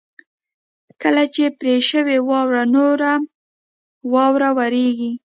کله چې پر شوې واوره نوره واوره ورېږي